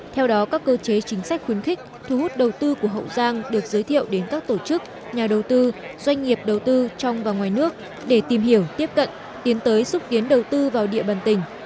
theo đó các cơ chế chính sách khuyến khích thu hút đầu tư của hậu giang được giới thiệu đến các tổ chức nhà đầu tư doanh nghiệp đầu tư trong và ngoài nước để tìm hiểu tiếp cận tiến tới xúc tiến đầu tư vào địa bàn tỉnh